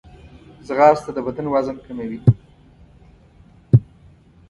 ځغاسته د بدن وزن کموي